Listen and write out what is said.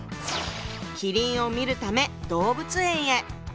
麒麟を見るため動物園へ。